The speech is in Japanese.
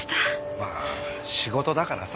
まあ仕事だからさ